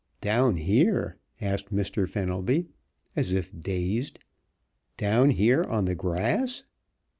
"Down here?" asked Mr. Fenelby, as if dazed. "Down here on the grass?"